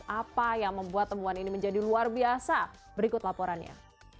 apa yang membuat temuan ini menjadi luar biasa berikut laporannya